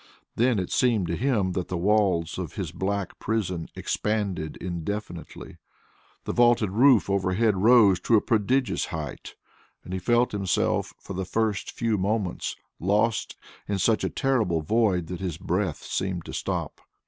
Then it seemed to him that the walls of his black prison expanded indefinitely. The vaulted roof overhead rose to a prodigious height, and he felt himself for the first few moments lost in such a terrible void that his breath seemed to stop.